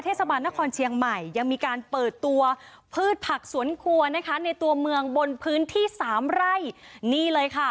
เทศบาลนครเชียงใหม่ยังมีการเปิดตัวพืชผักสวนครัวนะคะในตัวเมืองบนพื้นที่สามไร่นี่เลยค่ะ